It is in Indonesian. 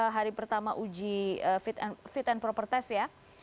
hari pertama uji fit and proper test ya